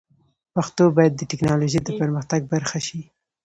پښتو باید د ټکنالوژۍ د پرمختګ برخه شي.